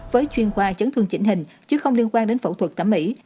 với chuyên khoa chấn thương chỉnh hình chứ không liên quan đến phẫu thuật thẩm mỹ